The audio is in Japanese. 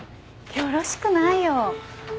よろしくないよ。